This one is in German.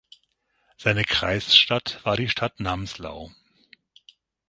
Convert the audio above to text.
Seine Kreisstadt war die Stadt Namslau.